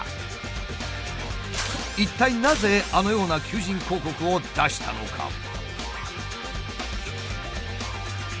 一体なぜあのような求人広告を出したのか？